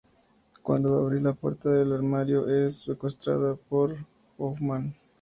Cuando va a abrir la puerta del armario, es secuestrada por Hoffman.